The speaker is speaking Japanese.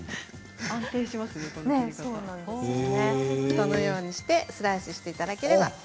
このようにスライスしていただければ。